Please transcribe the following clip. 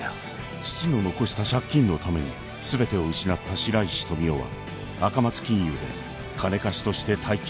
［父の残した借金のために全てを失った白石富生は赤松金融で金貸しとして大金を稼いでいく］